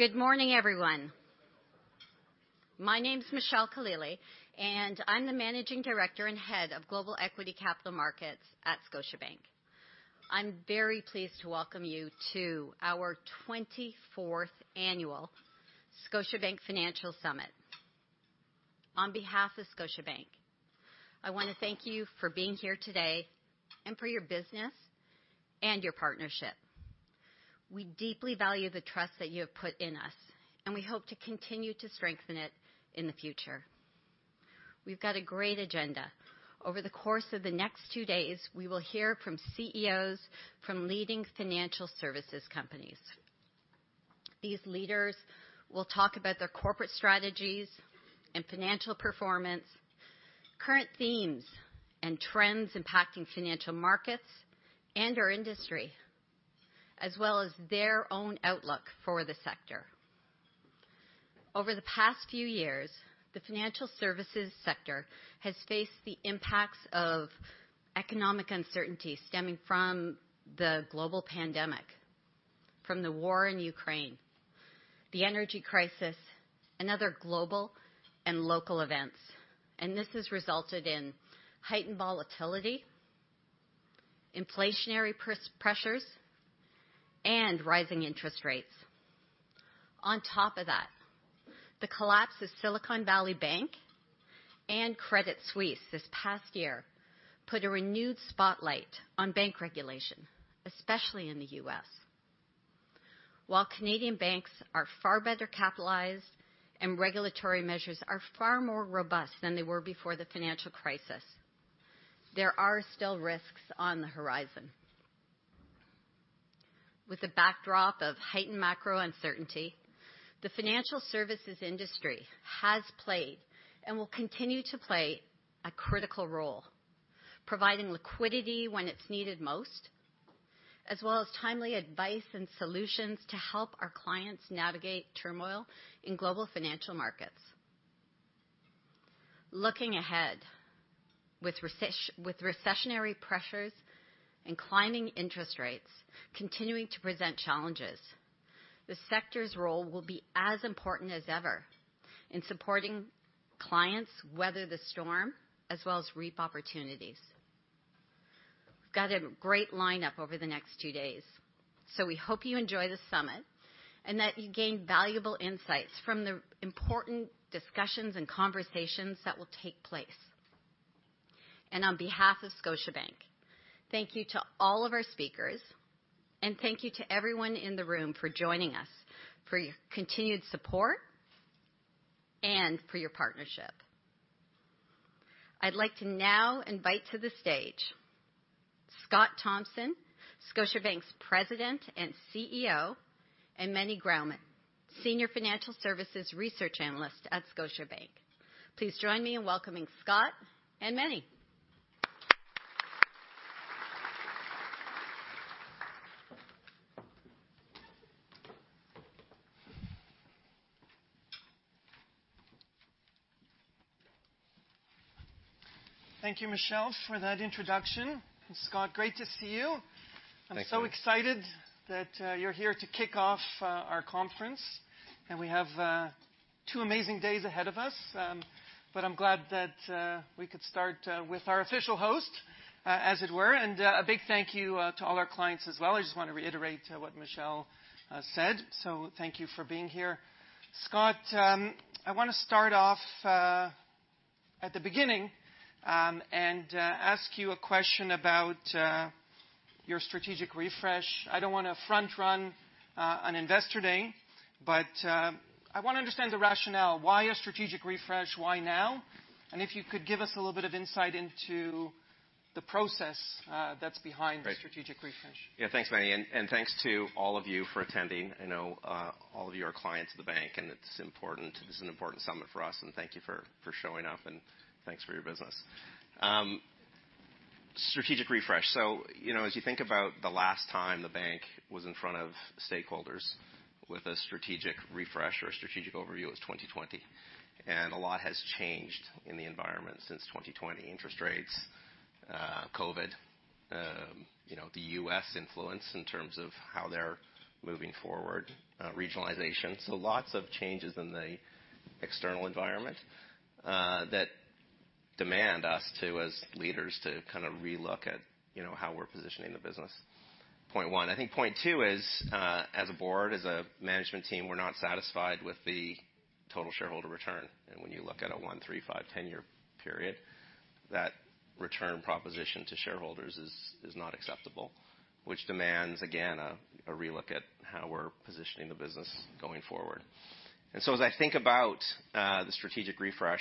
Good morning, everyone. My name's Michelle Khalili, and I'm the Managing Director and Head of Global Equity Capital Markets at Scotiabank. I'm very pleased to welcome you to our 24th annual Scotiabank Financial Summit. On behalf of Scotiabank, I wanna thank you for being here today and for your business and your partnership. We deeply value the trust that you have put in us, and we hope to continue to strengthen it in the future. We've got a great agenda. Over the course of the next two days, we will hear from CEOs from leading financial services companies. These leaders will talk about their corporate strategies and financial performance, current themes and trends impacting financial markets and our industry, as well as their own outlook for the sector. Over the past few years, the financial services sector has faced the impacts of economic uncertainty stemming from the global pandemic, from the war in Ukraine, the energy crisis, and other global and local events, and this has resulted in heightened volatility, inflationary pressures, and rising interest rates. On top of that, the collapse of Silicon Valley Bank and Credit Suisse this past year put a renewed spotlight on bank regulation, especially in the U.S. While Canadian banks are far better capitalized and regulatory measures are far more robust than they were before the financial crisis, there are still risks on the horizon. With the backdrop of heightened macro uncertainty, the financial services industry has played and will continue to play a critical role, providing liquidity when it's needed most, as well as timely advice and solutions to help our clients navigate turmoil in global financial markets. Looking ahead, with recessionary pressures and climbing interest rates continuing to present challenges, the sector's role will be as important as ever in supporting clients weather the storm, as well as reap opportunities. We've got a great lineup over the next two days, so we hope you enjoy the summit and that you gain valuable insights from the important discussions and conversations that will take place. On behalf of Scotiabank, thank you to all of our speakers, and thank you to everyone in the room for joining us, for your continued support and for your partnership. I'd like to now invite to the stage Scott Thomson, Scotiabank's President and CEO, and Meny Grauman, Senior Financial Services Research Analyst at Scotiabank. Please join me in welcoming Scott and Meny. Thank you, Michele, for that introduction. Scott, great to see you. Thank you. I'm so excited that you're here to kick off our conference, and we have two amazing days ahead of us. But I'm glad that we could start with our official host, as it were. A big thank you to all our clients as well. I just wanna reiterate what Michele said, so thank you for being here. Scott, I wanna start off at the beginning, and ask you a question about your strategic refresh. I don't wanna front run on investor day, but I wanna understand the rationale. Why a strategic refresh? Why now? And if you could give us a little bit of insight into the process that's behind- Right -the strategic refresh. Yeah. Thanks, Meny, and thanks to all of you for attending. I know all of you are clients of the bank, and it's important. This is an important summit for us, and thank you for showing up, and thanks for your business. Strategic refresh. So, you know, as you think about the last time the bank was in front of stakeholders with a strategic refresh or a strategic overview, it was 2020, and a lot has changed in the environment since 2020. Interest rates, COVID, you know, the U.S. influence in terms of how they're moving forward, regionalization. So lots of changes in the external environment that demand us to, as leaders, to kind of relook at, you know, how we're positioning the business, point one. I think point two is, as a board, as a management team, we're not satisfied with the total shareholder return. And when you look at a one-, three-, five-, 10-year period, that return proposition to shareholders is not acceptable, which demands, again, a relook at how we're positioning the business going forward. And so as I think about the strategic refresh,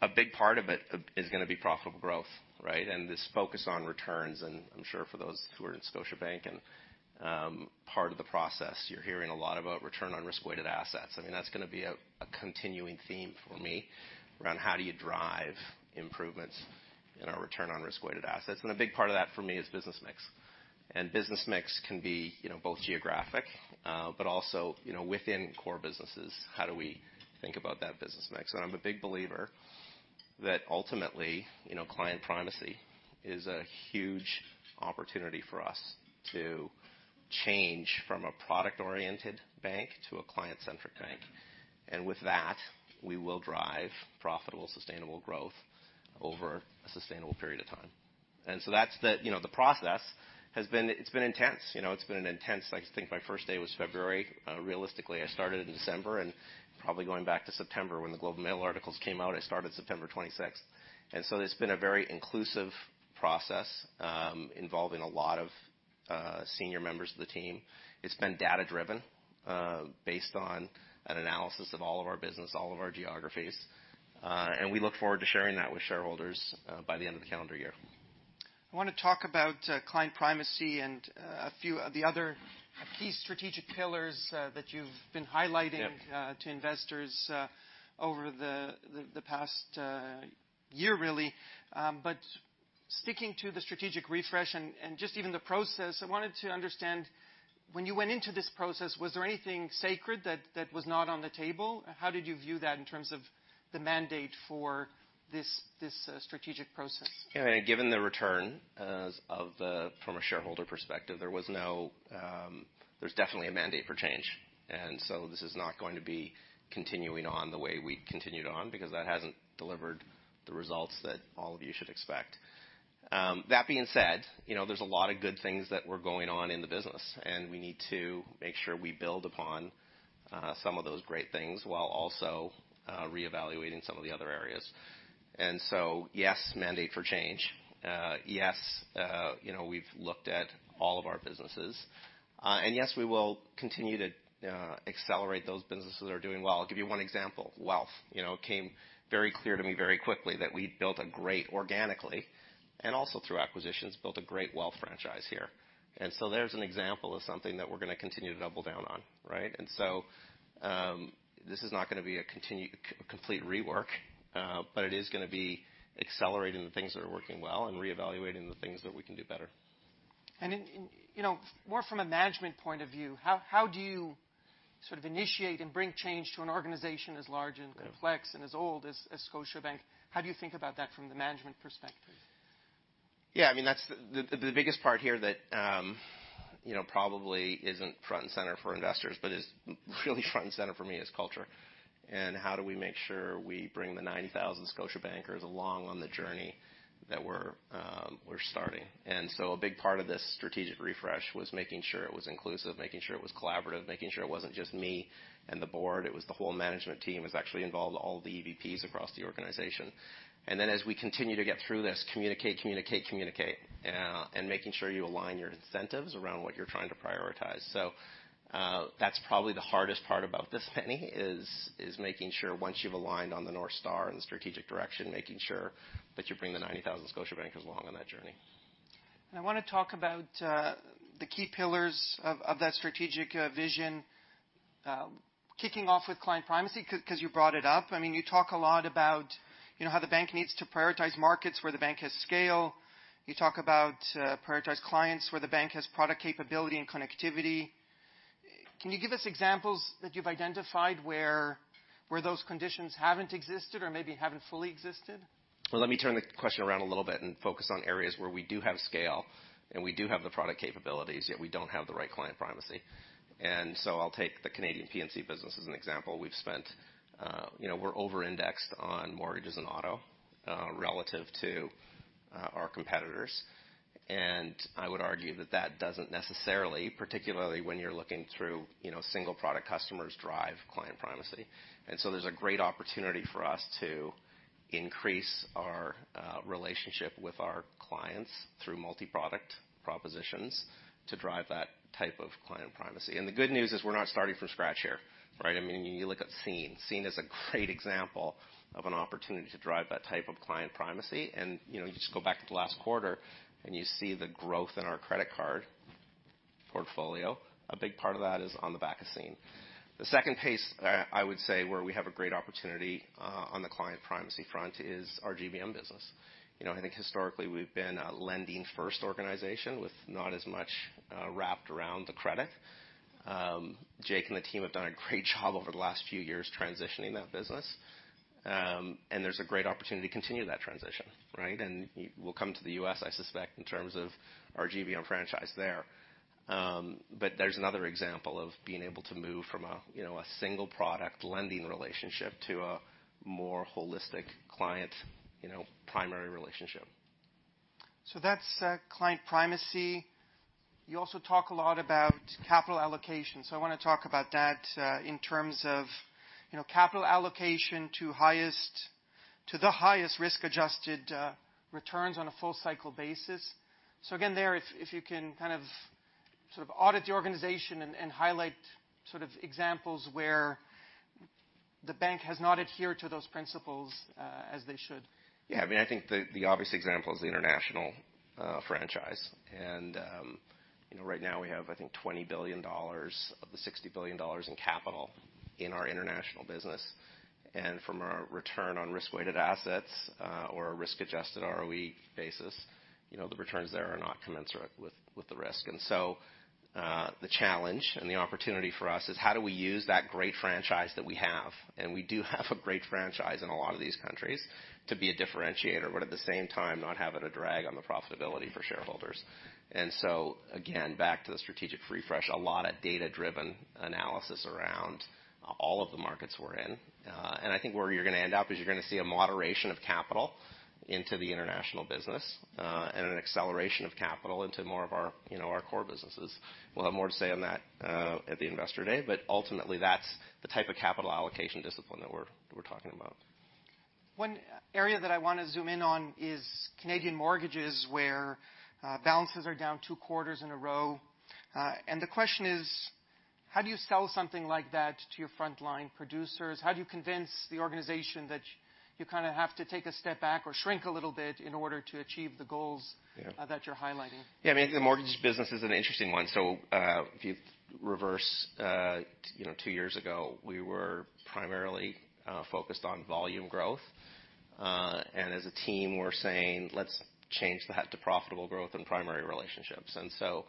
a big part of it is gonna be profitable growth, right? And this focus on returns, and I'm sure for those who are in Scotiabank and part of the process, you're hearing a lot about return on risk-weighted assets. I mean, that's gonna be a continuing theme for me, around how do you drive improvements in our return on risk-weighted assets? And a big part of that for me is business mix. Business mix can be, you know, both geographic, but also, you know, within core businesses, how do we think about that business mix? And I'm a big believer that ultimately, you know, client primacy is a huge opportunity for us to change from a product-oriented bank to a client-centric bank. And with that, we will drive profitable, sustainable growth over a sustainable period of time. And so that's the, you know, the process has been—it's been intense. You know, it's been an intense—I think my first day was February. Realistically, I started in December and probably going back to September when the Globe and Mail articles came out, I started September 26th. And so it's been a very inclusive process, involving a lot of, senior members of the team. It's been data-driven, based on an analysis of all of our business, all of our geographies, and we look forward to sharing that with shareholders, by the end of the calendar year. I want to talk about client primacy and a few of the other key strategic pillars that you've been highlighting- Yep. To investors, over the past year, really. But sticking to the strategic refresh and just even the process, I wanted to understand, when you went into this process, was there anything sacred that was not on the table? How did you view that in terms of the mandate for this strategic process? Yeah, given the return from a shareholder perspective, there was no... There's definitely a mandate for change, and so this is not going to be continuing on the way we continued on, because that hasn't delivered the results that all of you should expect. That being said, you know, there's a lot of good things that were going on in the business, and we need to make sure we build upon some of those great things while also reevaluating some of the other areas. And so, yes, mandate for change. Yes, you know, we've looked at all of our businesses, and yes, we will continue to accelerate those businesses that are doing well. I'll give you one example. Wealth. You know, it came very clear to me very quickly that we built a great, organically, and also through acquisitions, built a great wealth franchise here. And so there's an example of something that we're going to continue to double down on, right? And so, this is not going to be a complete rework, but it is going to be accelerating the things that are working well and reevaluating the things that we can do better. In, you know, more from a management point of view, how do you sort of initiate and bring change to an organization as large and complex? Yeah. And as old as Scotiabank? How do you think about that from the management perspective? Yeah, I mean, that's the biggest part here that, you know, probably isn't front and center for investors, but is really front and center for me, is culture. And how do we make sure we bring the 90,000 Scotiabankers along on the journey that we're starting? And so a big part of this strategic refresh was making sure it was inclusive, making sure it was collaborative, making sure it wasn't just me and the board, it was the whole management team. It was actually involved all the EVPs across the organization. And then, as we continue to get through this, communicate, communicate, communicate, and making sure you align your incentives around what you're trying to prioritize. That's probably the hardest part about this, Meny, is making sure once you've aligned on the North Star and the strategic direction, making sure that you bring the 90,000 Scotiabankers along on that journey. I want to talk about the key pillars of that strategic vision. Kicking off with client primacy, 'cause you brought it up. I mean, you talk a lot about, you know, how the bank needs to prioritize markets where the bank has scale. You talk about prioritize clients, where the bank has product capability and connectivity. Can you give us examples that you've identified where those conditions haven't existed or maybe haven't fully existed? Well, let me turn the question around a little bit and focus on areas where we do have scale and we do have the product capabilities, yet we don't have the right client primacy. And so I'll take the Canadian P&C business as an example. We've spent, you know, we're over-indexed on mortgages and auto, relative to, our competitors. And I would argue that that doesn't necessarily, particularly when you're looking through, you know, single product customers, drive client primacy. And so there's a great opportunity for us to increase our, relationship with our clients through multi-product propositions to drive that type of client primacy. And the good news is we're not starting from scratch here, right? I mean, you look at Scene. Scene is a great example of an opportunity to drive that type of client primacy, and, you know, you just go back to last quarter and you see the growth in our credit card portfolio. A big part of that is on the back of Scene. The second pace, I would say, where we have a great opportunity, on the client primacy front is our GBM business. You know, I think historically, we've been a lending-first organization with not as much, wrapped around the credit. Jake and the team have done a great job over the last few years transitioning that business. And there's a great opportunity to continue that transition, right? And we'll come to the U.S., I suspect, in terms of our GBM franchise there. But there's another example of being able to move from a, you know, a single product lending relationship to a more holistic client, you know, primary relationship. So that's client primacy. You also talk a lot about capital allocation, so I wanna talk about that in terms of, you know, capital allocation to the highest risk-adjusted returns on a full cycle basis. So again, if you can kind of sort of audit the organization and highlight sort of examples where the bank has not adhered to those principles as they should. Yeah, I mean, I think the obvious example is the international franchise. And, you know, right now we have, I think, 20 billion dollars of the 60 billion dollars in capital in our international business. And from a return on risk-weighted assets, or a risk-adjusted ROE basis, you know, the returns there are not commensurate with, with the risk. And so, the challenge and the opportunity for us is how do we use that great franchise that we have, and we do have a great franchise in a lot of these countries, to be a differentiator, but at the same time, not have it a drag on the profitability for shareholders? And so, again, back to the strategic refresh, a lot of data-driven analysis around all of the markets we're in. I think where you're gonna end up is you're gonna see a moderation of capital into the international business, and an acceleration of capital into more of our, you know, our core businesses. We'll have more to say on that at the Investor Day, but ultimately, that's the type of capital allocation discipline that we're talking about. One area that I want to zoom in on is Canadian mortgages, where balances are down two quarters in a row. And the question is: how do you sell something like that to your frontline producers? How do you convince the organization that you kind of have to take a step back or shrink a little bit in order to achieve the goals- Yeah. that you're highlighting? Yeah, I mean, the mortgage business is an interesting one. So, if you reverse, you know, two years ago, we were primarily focused on volume growth. And as a team, we're saying, "Let's change that to profitable growth and primary relationships." And so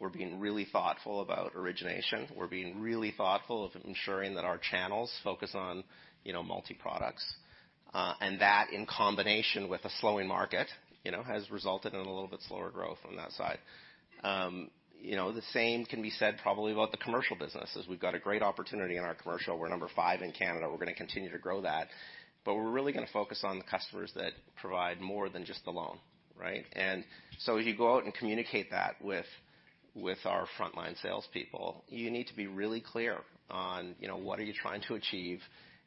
we're being really thoughtful about origination. We're being really thoughtful of ensuring that our channels focus on, you know, multi-products. And that, in combination with a slowing market, you know, has resulted in a little bit slower growth on that side. You know, the same can be said probably about the commercial businesses. We've got a great opportunity in our commercial. We're number five in Canada. We're gonna continue to grow that, but we're really gonna focus on the customers that provide more than just the loan, right? If you go out and communicate that with our frontline salespeople, you need to be really clear on, you know, what are you trying to achieve,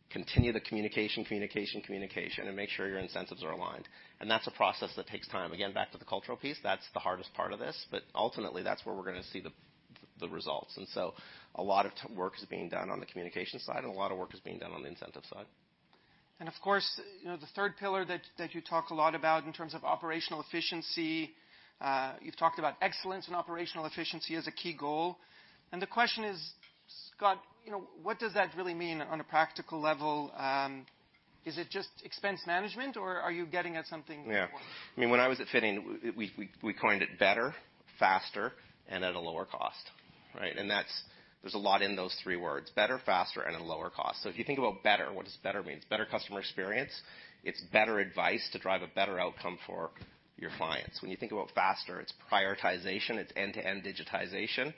continue the communication, communication, communication, and make sure your incentives are aligned. That's a process that takes time. Again, back to the cultural piece, that's the hardest part of this, but ultimately, that's where we're gonna see the results. A lot of work is being done on the communication side, and a lot of work is being done on the incentive side. Of course, you know, the third pillar that you talk a lot about in terms of operational efficiency, you've talked about excellence and operational efficiency as a key goal. The question is, Scott, you know, what does that really mean on a practical level? Is it just expense management, or are you getting at something more? Yeah. I mean, when I was at Finning, we coined it better, faster, and at a lower cost, right? And that's... There's a lot in those three words: better, faster, and at a lower cost. So if you think about better, what does better mean? It's better customer experience. It's better advice to drive a better outcome for your clients. When you think about faster, it's prioritization, it's end-to-end digitization,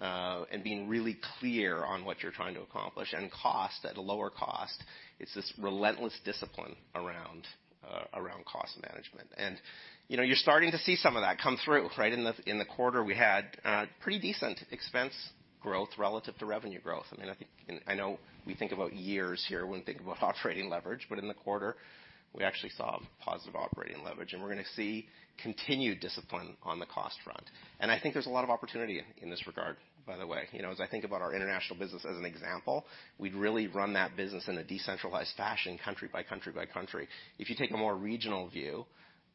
and being really clear on what you're trying to accomplish. And cost, at a lower cost, it's this relentless discipline around cost management. And, you know, you're starting to see some of that come through, right? In the quarter, we had pretty decent expense growth relative to revenue growth. I mean, I think, and I know we think about years here when thinking about operating leverage, but in the quarter, we actually saw positive operating leverage, and we're gonna see continued discipline on the cost front. I think there's a lot of opportunity in this regard, by the way. You know, as I think about our international business as an example, we'd really run that business in a decentralized fashion, country by country by country. If you take a more regional view,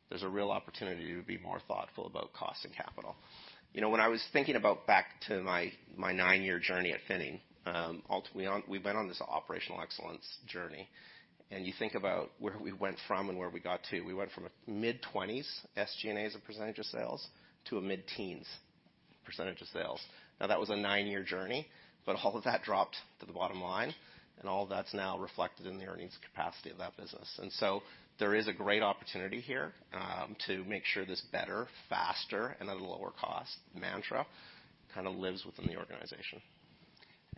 there's a real opportunity to be more thoughtful about cost and capital. You know, when I was thinking about back to my nine-year journey at Finning, ultimately, we went on this operational excellence journey, and you think about where we went from and where we got to. We went from a mid-20s SG&As of percentage of sales to a mid-teens percentage of sales. Now, that was a nine-year journey, but all of that dropped to the bottom line, and all that's now reflected in the earnings capacity of that business. And so there is a great opportunity here, to make sure this better, faster, and at a lower cost mantra kind of lives within the organization.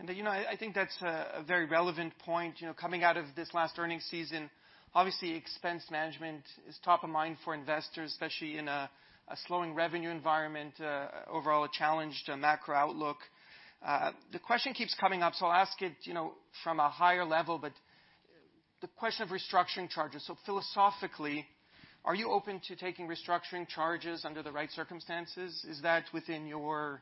You know, I think that's a very relevant point. You know, coming out of this last earnings season, obviously, expense management is top of mind for investors, especially in a slowing revenue environment, overall a challenged macro outlook. The question keeps coming up, so I'll ask it, you know, from a higher level, but the question of restructuring charges. So philosophically, are you open to taking restructuring charges under the right circumstances? Is that within your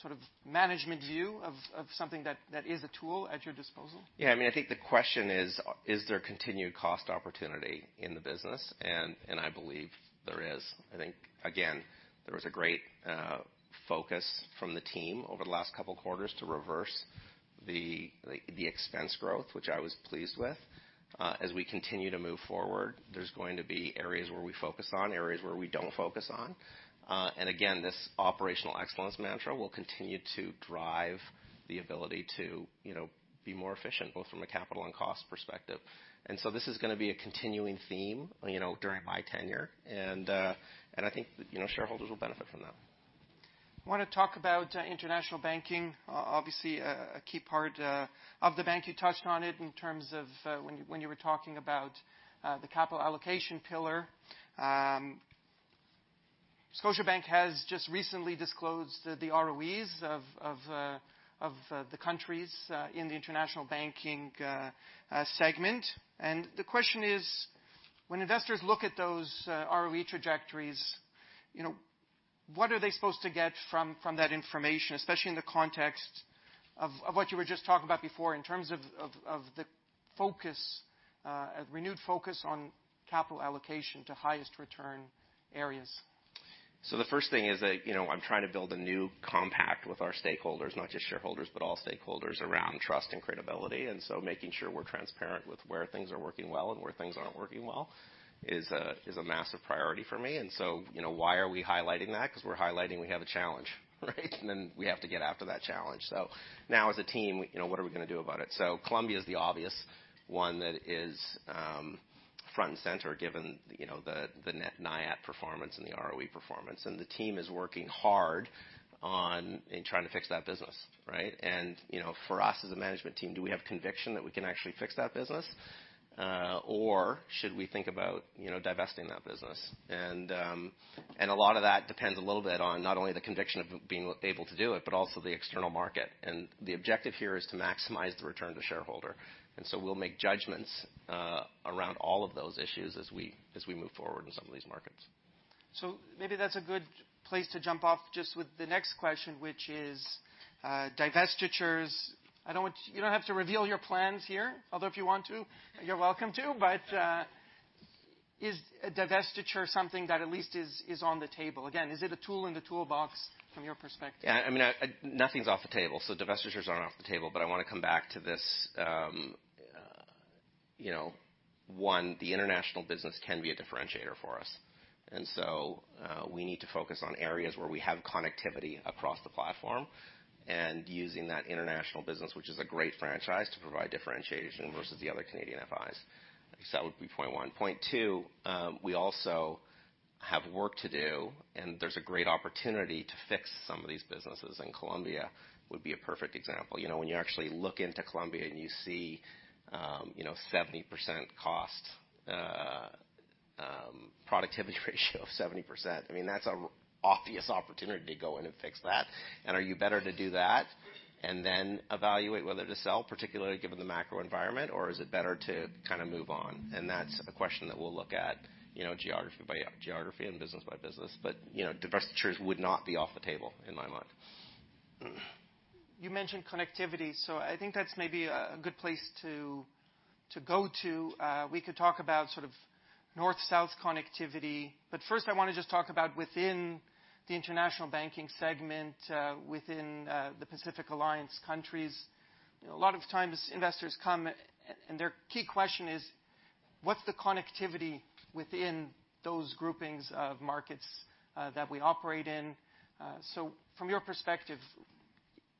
sort of management view of something that is a tool at your disposal? Yeah, I mean, I think the question is: is there continued cost opportunity in the business? And I believe there is. I think, again, there was a great focus from the team over the last couple of quarters to reverse the expense growth, which I was pleased with. As we continue to move forward, there's going to be areas where we focus on, areas where we don't focus on. And again, this operational excellence mantra will continue to drive the ability to, you know, be more efficient, both from a capital and cost perspective. And so this is gonna be a continuing theme, you know, during my tenure, and I think, you know, shareholders will benefit from that. I want to talk about international banking. Obviously, a key part of the bank. You touched on it in terms of when you were talking about the capital allocation pillar. Scotiabank has just recently disclosed the ROEs of the countries in the international banking segment. And the question is, when investors look at those ROE trajectories, you know, what are they supposed to get from that information, especially in the context of what you were just talking about before in terms of the focus, a renewed focus on capital allocation to highest return areas? So the first thing is that, you know, I'm trying to build a new compact with our stakeholders, not just shareholders, but all stakeholders around trust and credibility. And so making sure we're transparent with where things are working well and where things aren't working well is a, is a massive priority for me. And so, you know, why are we highlighting that? Because we're highlighting we have a challenge, right? And then we have to get after that challenge. So now, as a team, you know, what are we gonna do about it? So Colombia is the obvious one that is, front and center, given, you know, the net NIAT performance and the ROE performance. And the team is working hard on in trying to fix that business, right? You know, for us, as a management team, do we have conviction that we can actually fix that business, or should we think about, you know, divesting that business? And a lot of that depends a little bit on not only the conviction of being able to do it, but also the external market. And the objective here is to maximize the return to shareholder, and so we'll make judgments around all of those issues as we move forward in some of these markets. So maybe that's a good place to jump off just with the next question, which is, divestitures. I don't want you. You don't have to reveal your plans here, although if you want to, you're welcome to. But, is a divestiture something that at least is, is on the table? Again, is it a tool in the toolbox from your perspective? Yeah, I mean, nothing's off the table, so divestitures aren't off the table. But I want to come back to this, you know. One, the international business can be a differentiator for us, and so, we need to focus on areas where we have connectivity across the platform, and using that international business, which is a great franchise to provide differentiation versus the other Canadian FIs. So that would be point one. Point two, we also have work to do, and there's a great opportunity to fix some of these businesses, and Colombia would be a perfect example. You know, when you actually look into Colombia and you see, you know, 70% cost productivity ratio of 70%, I mean, that's an obvious opportunity to go in and fix that. And are you better to do that and then evaluate whether to sell, particularly given the macro environment, or is it better to kind of move on? And that's a question that we'll look at, you know, geography by geography and business by business. But, you know, divestitures would not be off the table, in my mind. You mentioned connectivity, so I think that's maybe a good place to go to. We could talk about sort of north-south connectivity, but first, I want to just talk about within the international banking segment, within the Pacific Alliance countries. You know, a lot of times investors come, and their key question is: What's the connectivity within those groupings of markets that we operate in? So from your perspective,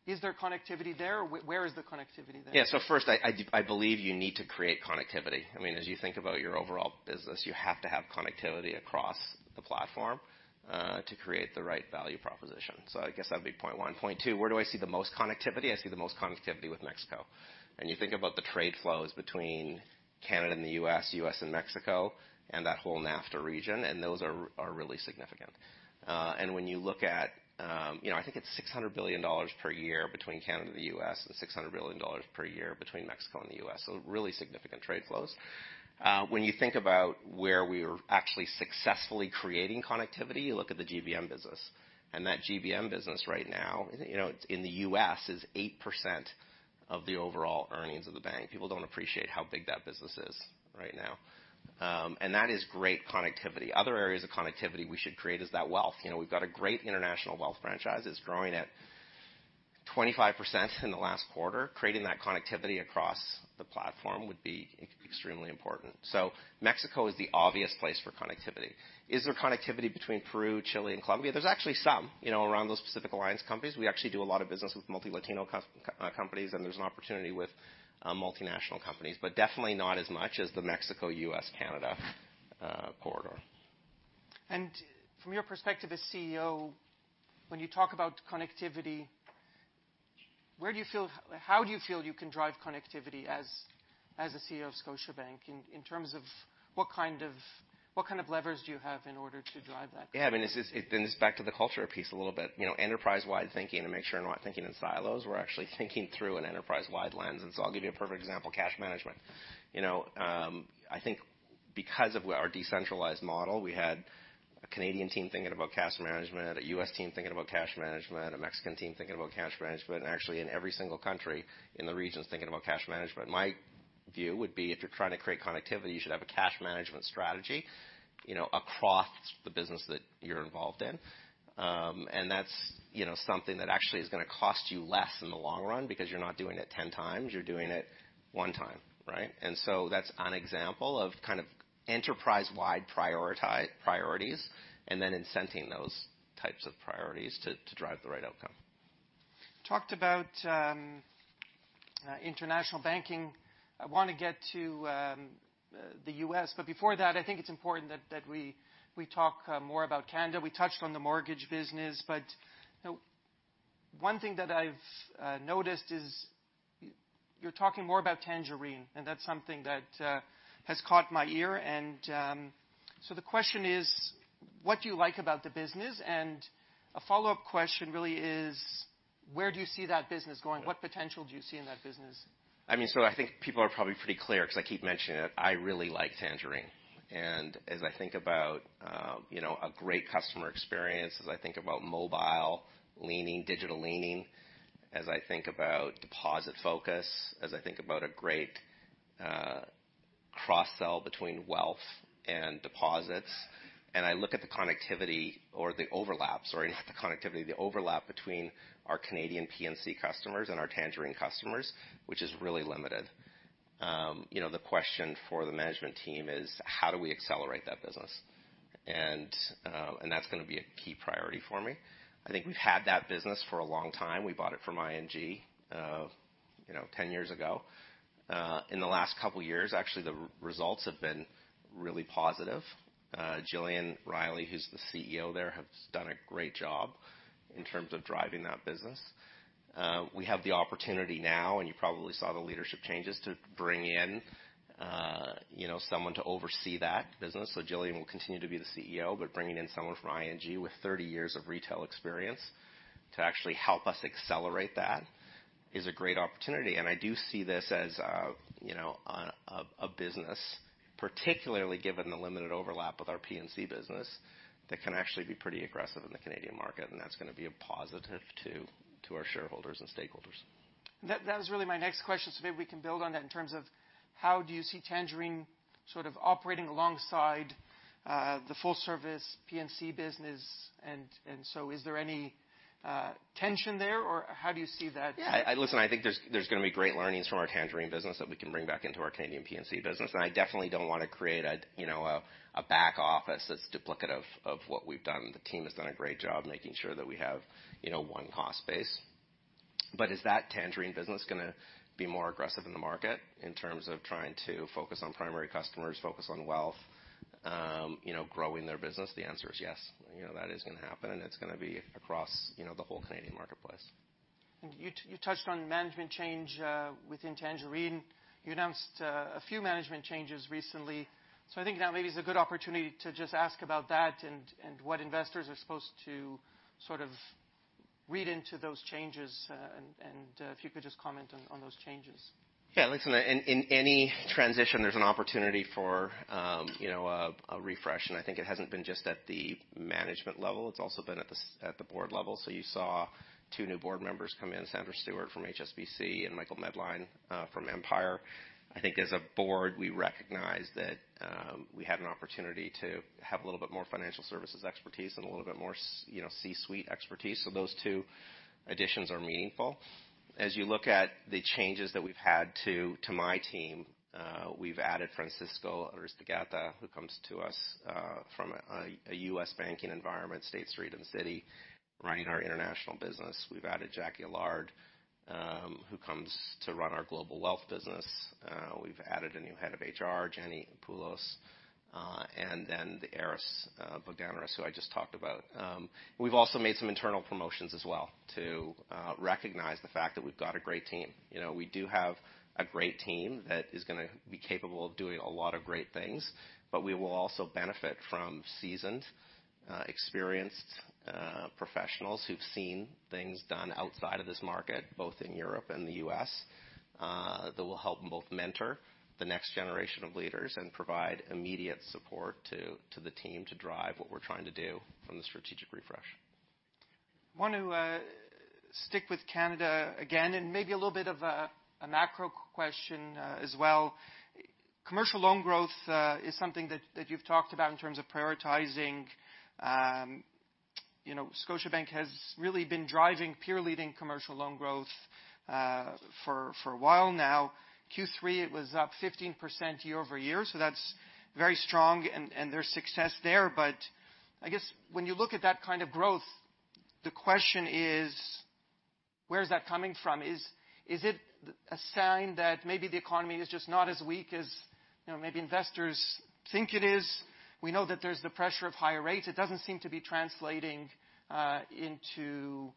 is there connectivity there, or where is the connectivity there? Yeah. So first, I believe you need to create connectivity. I mean, as you think about your overall business, you have to have connectivity across the platform, to create the right value proposition. So I guess that'd be point one. Point two, where do I see the most connectivity? I see the most connectivity with Mexico. And you think about the trade flows between Canada and the U.S., U.S. and Mexico, and that whole NAFTA region, and those are really significant. And when you look at, you know, I think it's $600 billion per year between Canada and the U.S., and $600 billion per year between Mexico and the U.S., so really significant trade flows. When you think about where we are actually successfully creating connectivity, you look at the GBM business, and that GBM business right now, you know, in the U.S., is 8% of the overall earnings of the bank. People don't appreciate how big that business is right now, and that is great connectivity. Other areas of connectivity we should create is that wealth. You know, we've got a great international wealth franchise. It's growing at 25% in the last quarter. Creating that connectivity across the platform would be extremely important. So Mexico is the obvious place for connectivity. Is there connectivity between Peru, Chile, and Colombia? There's actually some, you know, around those Pacific Alliance companies. We actually do a lot of business with multi-Latino companies, and there's an opportunity with multinational companies, but definitely not as much as the Mexico-U.S.-Canada corridor. From your perspective as CEO, when you talk about connectivity, how do you feel you can drive connectivity as, as a CEO of Scotiabank in, in terms of what kind of, what kind of levers do you have in order to drive that? Yeah, I mean, this is, it goes back to the culture piece a little bit. You know, enterprise-wide thinking to make sure we're not thinking in silos. We're actually thinking through an enterprise-wide lens, and so I'll give you a perfect example, cash management. You know, I think because of our decentralized model, we had a Canadian team thinking about cash management, a U.S. team thinking about cash management, a Mexican team thinking about cash management, and actually in every single country in the regions, thinking about cash management. My view would be, if you're trying to create connectivity, you should have a cash management strategy, you know, across the business that you're involved in. And that's, you know, something that actually is going to cost you less in the long run because you're not doing it 10 times, you're doing it 1 time, right? And so that's an example of kind of enterprise-wide priorities, and then incenting those types of priorities to drive the right outcome. Talked about international banking. I want to get to the U.S., but before that, I think it's important that we talk more about Canada. We touched on the mortgage business, but, you know, one thing that I've noticed is you're talking more about Tangerine, and that's something that has caught my ear. And so the question is: What do you like about the business? And a follow-up question really is: Where do you see that business going? What potential do you see in that business? I mean, so I think people are probably pretty clear, because I keep mentioning it. I really like Tangerine. And as I think about, you know, a great customer experience, as I think about mobile leaning, digital leaning, as I think about deposit focus, as I think about a great cross-sell between wealth and deposits, and I look at the connectivity or the overlaps, or not the connectivity, the overlap between our Canadian P&C customers and our Tangerine customers, which is really limited. You know, the question for the management team is, how do we accelerate that business? And, and that's gonna be a key priority for me. I think we've had that business for a long time. We bought it from ING, you know, 10 years ago. In the last couple years, actually, the results have been really positive. Gillian Riley, who's the CEO there, has done a great job in terms of driving that business. We have the opportunity now, and you probably saw the leadership changes, to bring in, you know, someone to oversee that business. So Gillian will continue to be the CEO, but bringing in someone from ING with 30 years of retail experience to actually help us accelerate that is a great opportunity. I do see this as, you know, a business, particularly given the limited overlap with our P&C business, that can actually be pretty aggressive in the Canadian market, and that's gonna be a positive to our shareholders and stakeholders. That, that was really my next question, so maybe we can build on that in terms of how do you see Tangerine sort of operating alongside, the full service PNC business, and, and so is there any, tension there, or how do you see that? Yeah, listen, I think there's gonna be great learnings from our Tangerine business that we can bring back into our Canadian PNC business, and I definitely don't want to create a, you know, back office that's duplicative of what we've done. The team has done a great job making sure that we have, you know, one cost base. But is that Tangerine business gonna be more aggressive in the market in terms of trying to focus on primary customers, focus on wealth, you know, growing their business? The answer is yes. You know, that is gonna happen, and it's gonna be across, you know, the whole Canadian marketplace. You, you touched on management change within Tangerine. You announced a few management changes recently, so I think now maybe is a good opportunity to just ask about that and what investors are supposed to sort of read into those changes, and if you could just comment on those changes. Yeah, listen, in any transition, there's an opportunity for, you know, a refresh, and I think it hasn't been just at the management level, it's also been at the board level. So you saw two new board members come in, Sandra Stuart from HSBC and Michael Medline from Empire. I think as a board, we recognize that we have an opportunity to have a little bit more financial services expertise and a little bit more, you know, C-suite expertise, so those two additions are meaningful. As you look at the changes that we've had to my team, we've added Francisco Aristeguieta, who comes to us from a U.S. banking environment, State Street and Citi, running our international business. We've added Jacqui Allard, who comes to run our global wealth business. We've added a new head of HR, Jenny Poulos, and then Aris Bogdaneris, who I just talked about. We've also made some internal promotions as well to recognize the fact that we've got a great team. You know, we do have a great team that is gonna be capable of doing a lot of great things, but we will also benefit from seasoned, experienced, professionals who've seen things done outside of this market, both in Europe and the U.S., that will help both mentor the next generation of leaders and provide immediate support to the team to drive what we're trying to do from the strategic refresh. I want to stick with Canada again, and maybe a little bit of a macro question as well. Commercial loan growth is something that you've talked about in terms of prioritizing. You know, Scotiabank has really been driving peer-leading commercial loan growth for a while now. Q3, it was up 15% year-over-year, so that's very strong, and there's success there. But I guess when you look at that kind of growth, the question is, where is that coming from? Is it a sign that maybe the economy is just not as weak as, you know, maybe investors think it is? We know that there's the pressure of higher rates. It doesn't seem to be translating into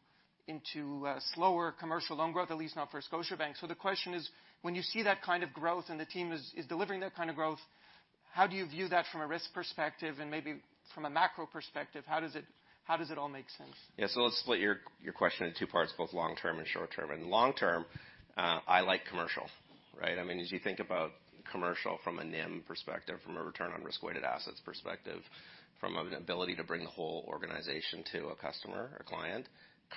slower commercial loan growth, at least not for Scotiabank. So the question is, when you see that kind of growth and the team is delivering that kind of growth, how do you view that from a risk perspective and maybe from a macro perspective? How does it all make sense? Yeah, so let's split your, your question in two parts, both long term and short term. And long term, I like commercial, right? I mean, as you think about commercial from a NIM perspective, from a return on risk-weighted assets perspective, from an ability to bring the whole organization to a customer or client,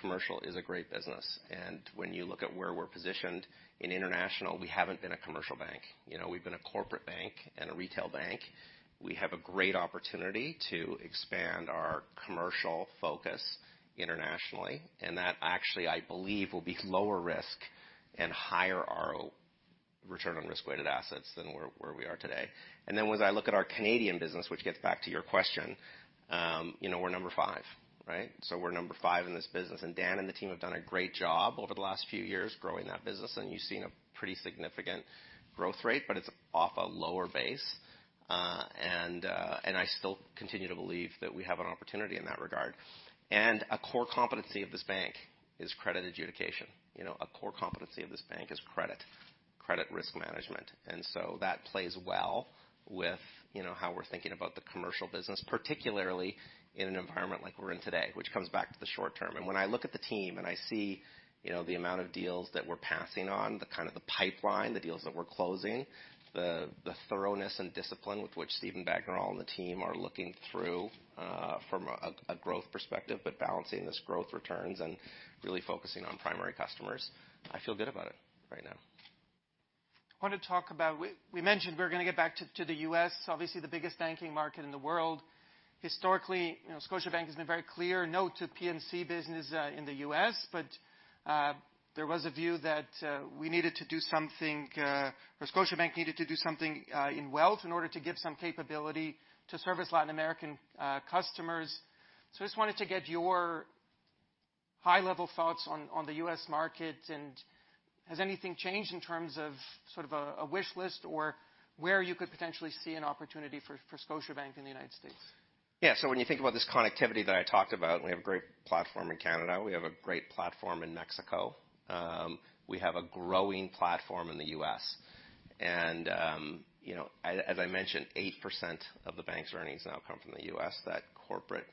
commercial is a great business. And when you look at where we're positioned in international, we haven't been a commercial bank. You know, we've been a corporate bank and a retail bank. We have a great opportunity to expand our commercial focus internationally, and that actually, I believe, will be lower risk and higher RO- return on risk-weighted assets than where, where we are today. And then when I look at our Canadian business, which gets back to your question, you know, we're number five, right? So we're number five in this business, and Dan and the team have done a great job over the last few years growing that business, and you've seen a pretty significant growth rate, but it's off a lower base. I still continue to believe that we have an opportunity in that regard. A core competency of this bank is credit adjudication. You know, a core competency of this bank is credit, credit risk management, and so that plays well with, you know, how we're thinking about the commercial business, particularly in an environment like we're in today, which comes back to the short term. When I look at the team and I see, you know, the amount of deals that we're passing on, the kind of the pipeline, the deals that we're closing, the thoroughness and discipline with which Steven Baker and all the team are looking through from a growth perspective, but balancing this growth returns and really focusing on primary customers, I feel good about it right now. I want to talk about, we mentioned we're gonna get back to the U.S., obviously, the biggest banking market in the world. Historically, you know, Scotiabank has been very clear, no to P&C business in the U.S., but there was a view that we needed to do something, or Scotiabank needed to do something, in wealth in order to give some capability to service Latin American customers. So I just wanted to get your high-level thoughts on the U.S. market, and has anything changed in terms of sort of a wish list or where you could potentially see an opportunity for Scotiabank in the United States? Yeah. So when you think about this connectivity that I talked about, we have a great platform in Canada, we have a great platform in Mexico, we have a growing platform in the U.S. And, you know, as I mentioned, 8% of the bank's earnings now come from the U.S., that corporate,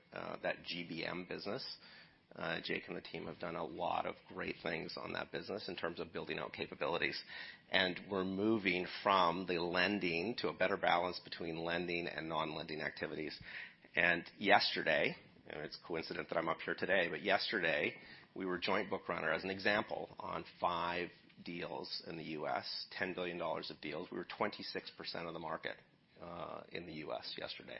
that GBM business. Jake and the team have done a lot of great things on that business in terms of building out capabilities, and we're moving from the lending to a better balance between lending and non-lending activities. And it's coincidental that I'm up here today, but yesterday, we were joint book runner, as an example, on five deals in the U.S., $10 billion of deals. We were 26% of the market in the U.S. yesterday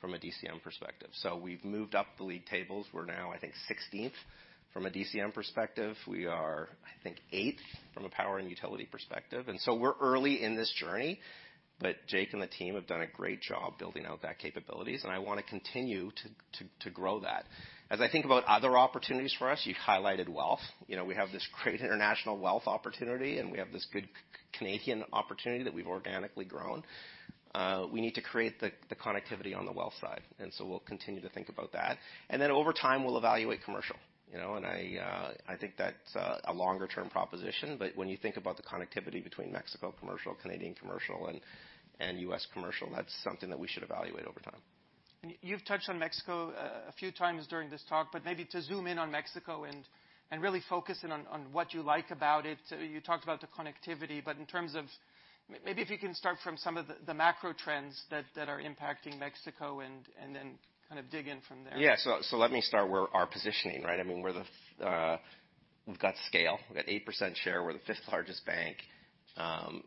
from a DCM perspective. So we've moved up the league tables. We're now, I think, sixteenth from a DCM perspective. We are, I think, eighth from a power and utility perspective, and so we're early in this journey, but Jake and the team have done a great job building out that capabilities, and I want to continue to grow that. As I think about other opportunities for us, you've highlighted wealth. You know, we have this great international wealth opportunity, and we have this good Canadian opportunity that we've organically grown. We need to create the connectivity on the wealth side, and so we'll continue to think about that. Then, over time, we'll evaluate commercial, you know? I think that's a longer term proposition, but when you think about the connectivity between Mexico commercial, Canadian commercial, and U.S. commercial, that's something that we should evaluate over time. You've touched on Mexico a few times during this talk, but maybe to zoom in on Mexico and really focus in on what you like about it. You talked about the connectivity, but in terms of maybe if you can start from some of the macro trends that are impacting Mexico and then kind of dig in from there. Yeah. So, so let me start where our positioning, right? I mean, we're the. We've got scale. We've got 8% share. We're the fifth largest bank.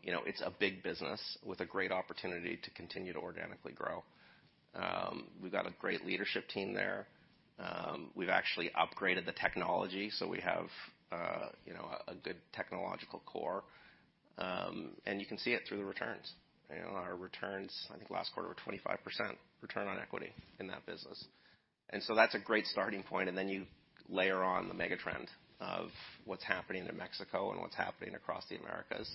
You know, it's a big business with a great opportunity to continue to organically grow. We've got a great leadership team there. We've actually upgraded the technology, so we have, you know, a, a good technological core, and you can see it through the returns. You know, our returns, I think, last quarter were 25% return on equity in that business. And so that's a great starting point, and then you layer on the mega trend of what's happening in Mexico and what's happening across the Americas.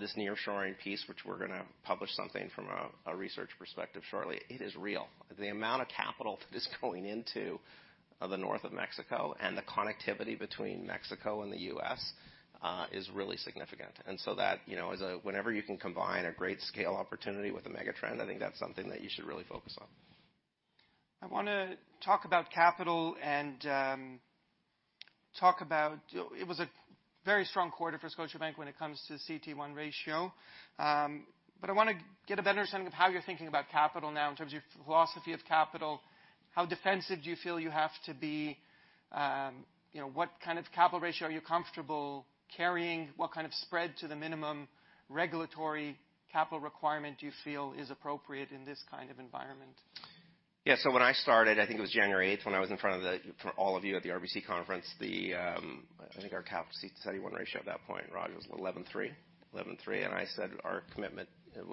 This nearshoring piece, which we're gonna publish something from a, a research perspective shortly, it is real. The amount of capital that is going into the north of Mexico and the connectivity between Mexico and the US is really significant. And so that, you know, is whenever you can combine a great scale opportunity with a mega trend, I think that's something that you should really focus on. I wanna talk about capital and talk about... It was a very strong quarter for Scotiabank when it comes to CET1 ratio. But I wanna get a better understanding of how you're thinking about capital now in terms of your philosophy of capital. How defensive do you feel you have to be? You know, what kind of capital ratio are you comfortable carrying? What kind of spread to the minimum regulatory capital requirement do you feel is appropriate in this kind of environment? Yeah, so when I started, I think it was January 8th, when I was in front of the—for all of you at the RBC conference, the, I think our capital CET1 ratio at that point, Raj, was 11.3, 11.3, and I said our commitment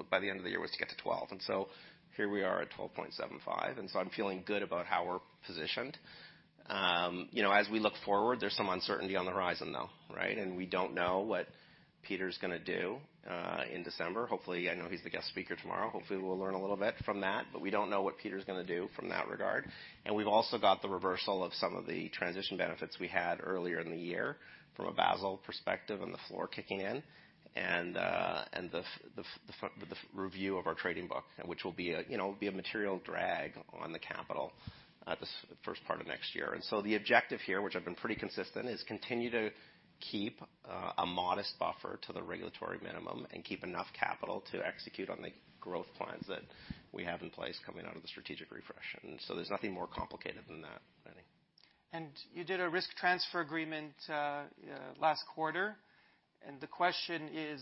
by the end of the year was to get to 12. And so here we are at 12.75, and so I'm feeling good about how we're positioned. You know, as we look forward, there's some uncertainty on the horizon, though, right? And we don't know what Peter's gonna do in December. Hopefully, I know he's the guest speaker tomorrow. Hopefully, we'll learn a little bit from that, but we don't know what Peter's gonna do from that regard. And we've also got the reversal of some of the transition benefits we had earlier in the year from a Basel perspective and the floor kicking in, and the review of our trading book, which will be a, you know, material drag on the capital this first part of next year. So the objective here, which I've been pretty consistent, is continue to keep a modest buffer to the regulatory minimum and keep enough capital to execute on the growth plans that we have in place coming out of the strategic refresh. So there's nothing more complicated than that, I think. You did a risk transfer agreement last quarter, and the question is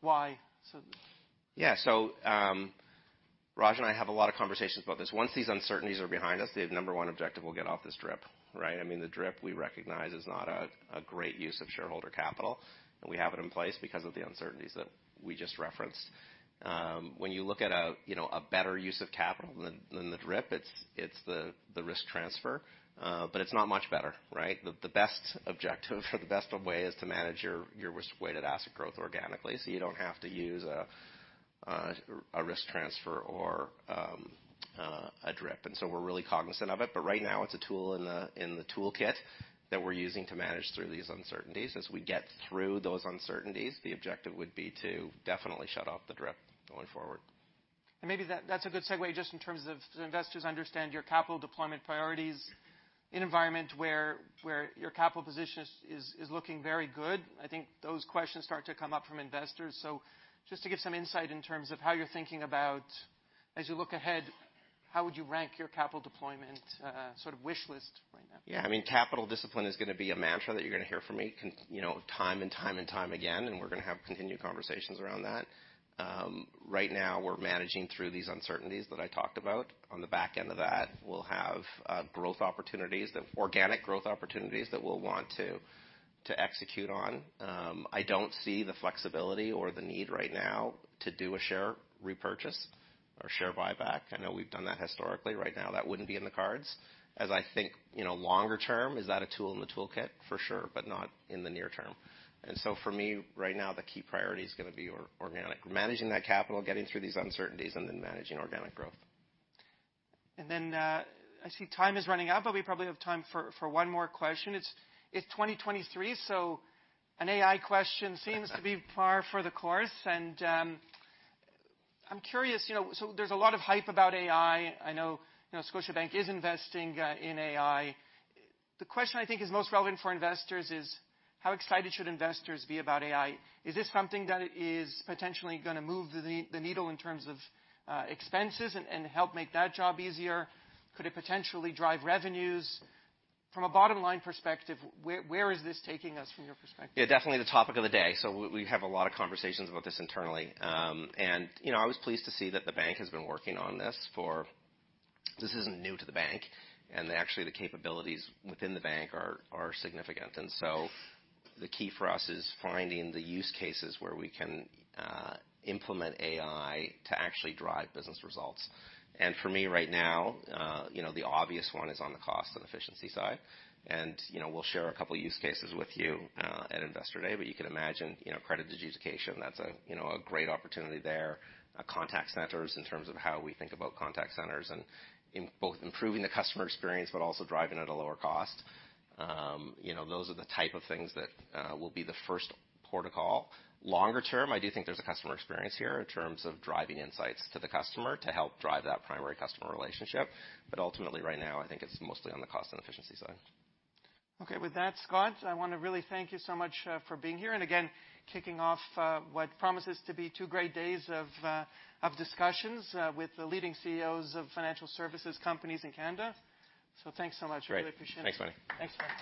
why? So- Yeah. So, Raj and I have a lot of conversations about this. Once these uncertainties are behind us, the number one objective, we'll get off this DRIP, right? I mean, the DRIP, we recognize, is not a great use of shareholder capital, and we have it in place because of the uncertainties that we just referenced. When you look at, you know, a better use of capital than the DRIP, it's the risk transfer, but it's not much better, right? The best objective or the best way is to manage your risk-weighted asset growth organically, so you don't have to use a risk transfer or a DRIP. And so we're really cognizant of it, but right now it's a tool in the toolkit that we're using to manage through these uncertainties. As we get through those uncertainties, the objective would be to definitely shut off the drip going forward. And maybe that, that's a good segue, just in terms of investors understand your capital deployment priorities in an environment where your capital position is looking very good. I think those questions start to come up from investors. So just to give some insight in terms of how you're thinking about, as you look ahead... How would you rank your capital deployment, sort of wish list right now? Yeah, I mean, capital discipline is going to be a mantra that you're going to hear from me, you know, time and time and time again, and we're going to have continued conversations around that. Right now, we're managing through these uncertainties that I talked about. On the back end of that, we'll have growth opportunities, the organic growth opportunities that we'll want to execute on. I don't see the flexibility or the need right now to do a share repurchase or share buyback. I know we've done that historically. Right now, that wouldn't be in the cards. As I think, you know, longer term, is that a tool in the toolkit? For sure, but not in the near term. And so for me, right now, the key priority is going to be organic. Managing that capital, getting through these uncertainties, and then managing organic growth. And then, I see time is running out, but we probably have time for one more question. It's 2023, so an AI question seems to be par for the course. And, I'm curious, you know, so there's a lot of hype about AI. I know, you know, Scotiabank is investing in AI. The question I think is most relevant for investors is: How excited should investors be about AI? Is this something that is potentially going to move the needle in terms of expenses and help make that job easier? Could it potentially drive revenues? From a bottom-line perspective, where is this taking us, from your perspective? Yeah, definitely the topic of the day, so we have a lot of conversations about this internally. And, you know, I was pleased to see that the bank has been working on this for... This isn't new to the bank, and actually, the capabilities within the bank are significant. And so the key for us is finding the use cases where we can implement AI to actually drive business results. And for me, right now, you know, the obvious one is on the cost and efficiency side. And, you know, we'll share a couple use cases with you at Investor Day, but you can imagine, you know, credit adjudication, that's a, you know, great opportunity there. Contact centers in terms of how we think about contact centers and both improving the customer experience, but also driving at a lower cost. You know, those are the type of things that will be the first port of call. Longer term, I do think there's a customer experience here in terms of driving insights to the customer to help drive that primary customer relationship, but ultimately, right now, I think it's mostly on the cost and efficiency side. Okay. With that, Scott, I want to really thank you so much for being here, and again, kicking off what promises to be two great days of discussions with the leading CEOs of financial services companies in Canada. So thanks so much. Great. Really appreciate it. Thanks, Meny. Thanks, Scott.